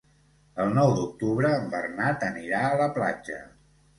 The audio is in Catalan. El nou d'octubre en Bernat anirà a la platja.